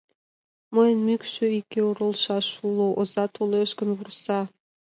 Мыйын мӱкш иге оролышаш уло, оза толеш гын, вурса.